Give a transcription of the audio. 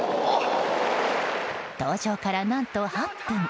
登場から、何と８分。